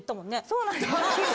そうなんですよ。